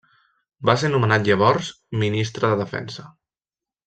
Va ser nomenat llavors ministre de Defensa.